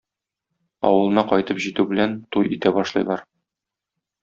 Авылына кайтып җитү белән, туй итә башлыйлар.